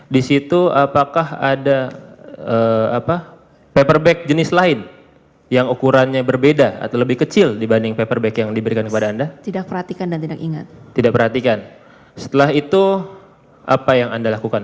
di sana apa pertama kali yang dilakukan